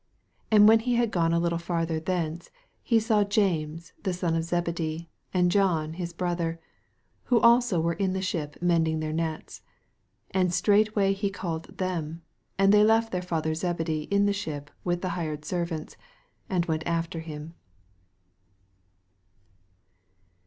19 And when he had gone a little farther thence, he saw James the son of Zebedee, and John his brother, who also were in the ship mending their nets. 20 And straightway he called them: and they left their father Zebedee ill the ship with the hired servants, and went after him.